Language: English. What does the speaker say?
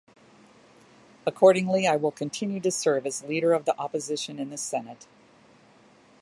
Accordingly, I will continue to serve as Leader of the Opposition in the Senate.